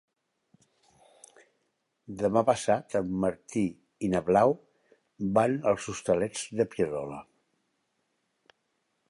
Demà passat en Martí i na Blau van als Hostalets de Pierola.